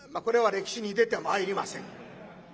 これは歴史に出てまいりません。